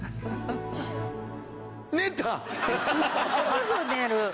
すぐ寝る。